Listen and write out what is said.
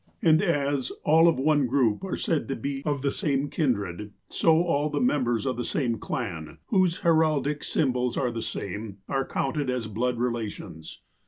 And, as all of 86 THE APOSTLE OF ALASKA one group are said to be of the same kindred ; so, all the mem bers of the same clan, whose heraldic symbols are the same, are counted as blood relations.